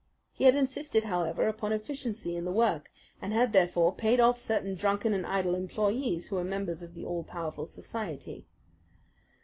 He had insisted, however, upon efficiency in the work, and had, therefore, paid off certain drunken and idle employees who were members of the all powerful society.